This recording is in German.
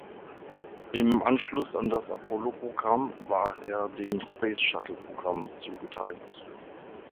Im Anschluss an das Apollo-Programm war er dem Space-Shuttle-Programm zugeteilt.